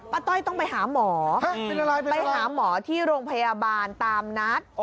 ต้อยต้องไปหาหมอไปหาหมอที่โรงพยาบาลตามนัด